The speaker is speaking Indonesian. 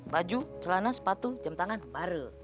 baju celana sepatu jam tangan barel